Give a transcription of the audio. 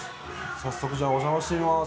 早速じゃあお邪魔してみます。